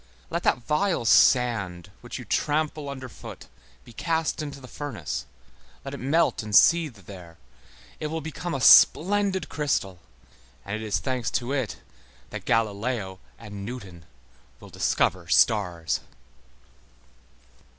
Let that vile sand which you trample under foot be cast into the furnace, let it melt and seethe there, it will become a splendid crystal, and it is thanks to it that Galileo and Newton will discover stars.